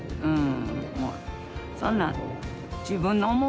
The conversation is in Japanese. うん。